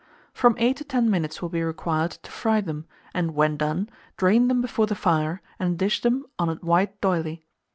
From 8 to 10 minutes will be required to fry them, and, when done, drain them before the fire, and dish them on a white d'oyley.